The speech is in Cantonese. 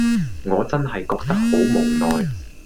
我真係覺得好無奈